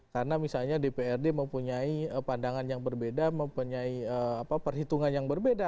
karena misalnya dprd mempunyai pandangan yang berbeda mempunyai perhitungan yang berbeda